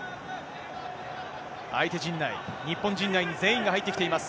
相手陣内、日本陣内に全員が入ってきています。